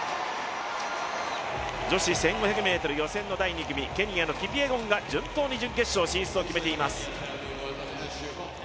女子１５００ｍの予選の第２組、ケニアのキピエゴンが順当に準決勝進出を決めています。